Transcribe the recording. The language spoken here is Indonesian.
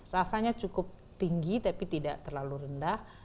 rasanya cukup tinggi tapi tidak terlalu rendah